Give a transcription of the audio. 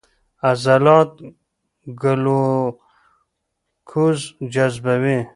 عضلات ګلوکوز جذبوي.